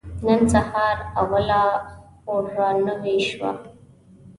نن سهار اوله خور را نوې شوه.